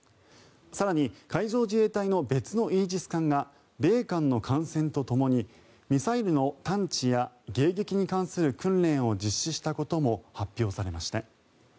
更に海上自衛隊の別のイージス艦が米韓の艦船とともにミサイルの探知や迎撃に関する訓練を実施したことも発表されました。